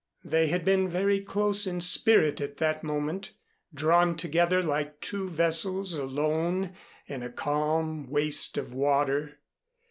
They had been very close in spirit at that moment, drawn together like two vessels alone in a calm waste of water.